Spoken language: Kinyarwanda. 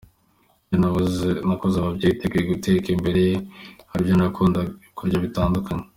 Njye nakoze umubyeyi witeguye guteka, imbere ye hari ibyo kurya bitandukanye.